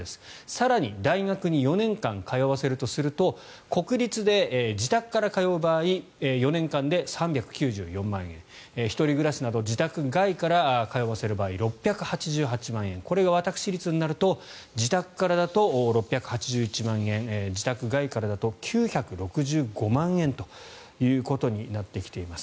更に大学に４年間通わせるとすると国立で自宅から通う場合４年間で３９４万円１人暮らしなど自宅外から通わせる場合６８８万円これが私立になると自宅からだと６８１万円自宅外からだと９６５万円ということになってきています。